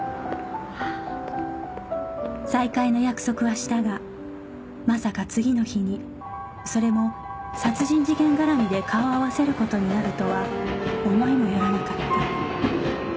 再会の約束はしたがまさか次の日にそれも殺人事件絡みで顔を合わせることになるとは思いもよらなかった